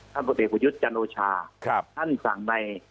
ท่านปฏิคุยุถยาโจชาท่านสั่งใน